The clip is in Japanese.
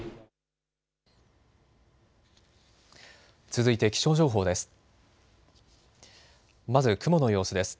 続いて気象情報です。